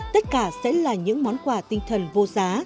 tất cả sẽ là những món quà tinh thần vô giá